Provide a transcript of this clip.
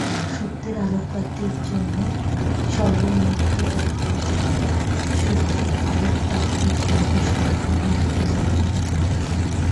সত্যের আলোক-প্রাপ্তির জন্য স্বর্গ ও মর্ত্য ত্যাগ করিতে হয়।